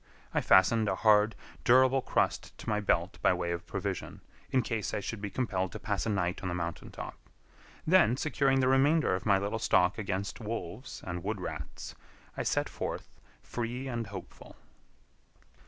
I fastened a hard, durable crust to my belt by way of provision, in case I should be compelled to pass a night on the mountain top; then, securing the remainder of my little stock against wolves and wood rats, I set forth free and hopeful.